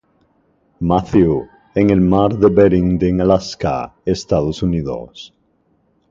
Matthew, en el Mar de Bering en Alaska, Estados Unidos.